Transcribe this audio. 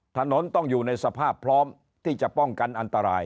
ถนนต้องอยู่ในสภาพพร้อมที่จะป้องกันอันตราย